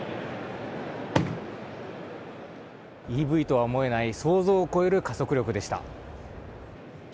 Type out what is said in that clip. ＥＶとは思えない想像を超える加速力でした。